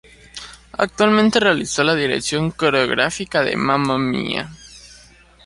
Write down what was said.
Actualmente realizó la dirección coreográfica de "Mamma Mía".